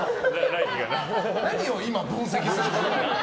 何を今、分析するの？